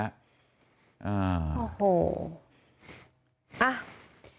อ่าโอ้โห